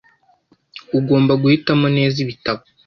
Ugomba guhitamo neza ibitabo.